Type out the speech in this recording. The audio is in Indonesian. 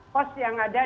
post yang ada